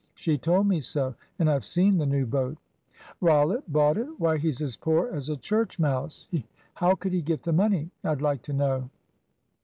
She told me so and I've seen the new boat." "Rollitt bought it! Why, he's as poor as a church mouse. How could he get the money, I'd like to know?"